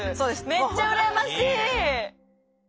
めっちゃ羨ましい！